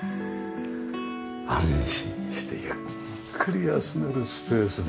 安心してゆっくり休めるスペースで。